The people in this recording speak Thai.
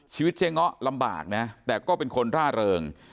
ชีวิตเจ๊ง้อลำบากนะแต่ก็เป็นคนร่าเริง